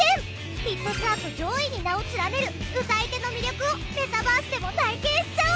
ヒットチャート上位に名を連ねる歌い手の魅力をメタバースでも体験しちゃおう！